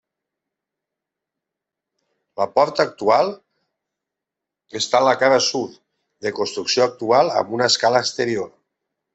La porta actual està a la cara sud, de construcció actual, amb una escala exterior.